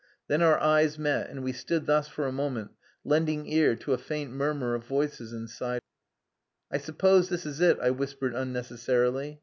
Then our eyes met, and we stood thus for a moment lending ear to a faint murmur of voices inside. "I suppose this is it," I whispered unnecessarily.